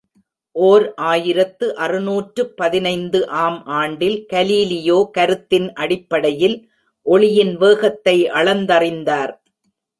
ஓர் ஆயிரத்து அறுநூற்று பதினைந்து ஆம் ஆண்டில் கலீலியோ கருத்தின் அடிப்படையில் ஒளியின் வேகத்தை அளந்தறிந்தார்!